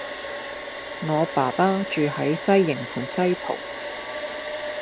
我爸爸住喺西營盤西浦